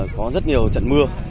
có rất nhiều trận mưa